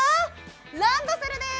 ランドセルです。